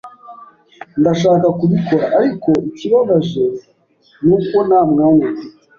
Ndashaka kubikora, ariko ikibabaje nuko nta mwanya mfite.